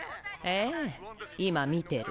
ええ今見てる。